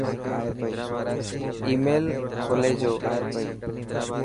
آي ميل کولي جو